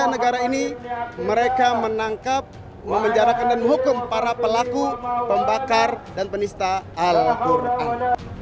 negara ini mereka menangkap memenjarakan dan menghukum para pelaku pembakar dan penista al quran